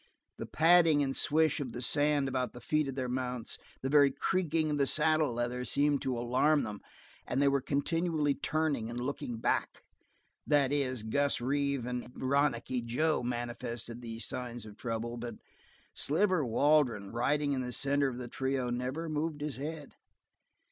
The padding and swish of the sand about the feet of their mounts; the very creaking of the saddle leather seemed to alarm them, and they were continually turning and looking back. That is, Gus Reeve and Ronicky Joe manifested these signs of trouble, but Sliver Waldron, riding in the center of the trio, never moved his head.